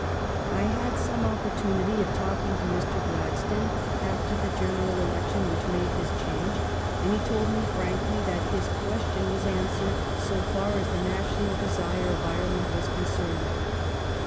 I had some opportunity of talking to Mr. Glad stone after the general election which made this change, and he told me frankly that his question was answered so far as the national desire of Ireland was concerned.